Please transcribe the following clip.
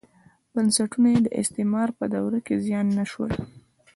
بنسټونه یې د استعمار په دوره کې زیان نه شول.